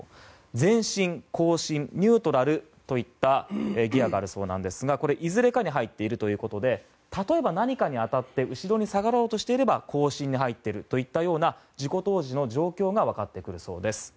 前進、後進ニュートラルといったギアがあるそうですがこれは、いずれかに入っているということで例えば、何かに当たって後ろに下がろうとしていれば後進に入っているだとか事故当時の状況が分かってくるそうです。